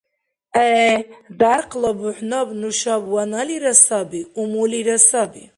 – ГӀе. Дярхъла бухӀнаб нушаб ваналира саби, умулира саби.